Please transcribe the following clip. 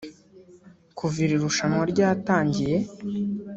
Kuva iri rushanwa ryatangiye